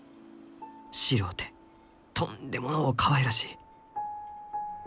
白うてとんでものうかわいらしい。